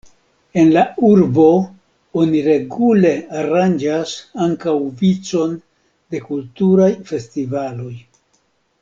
En la urbo oni regule aranĝas ankaŭ vicon de kulturaj festivaloj.